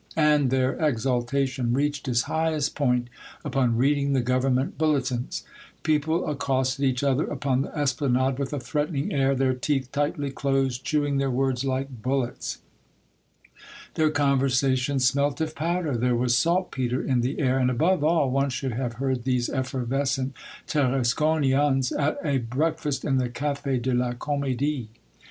And their exaltation reached its highest point upon reading the Government Bulle tins. People accosted each other upon the Espla nade with a threatening air, their teeth tightly closed, chewing their words like bullets. Their 1 Provencal. " Tell him to come on, my brave !" The Defence of Tarascon, 73 conversations smelt of powder. There was salt petre in the air ! And, above all, one should have heard these effervescent Tarasconians at a break fast in the Cafe de la Comedie.